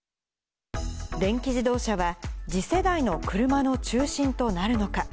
電気自動車は、次世代の車の中心となるのか。